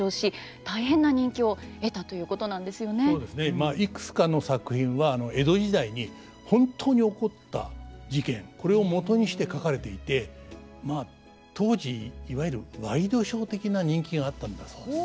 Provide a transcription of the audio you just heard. まあいくつかの作品は江戸時代に本当に起こった事件これをもとにして書かれていてまあ当時いわゆるワイドショー的な人気があったんだそうです。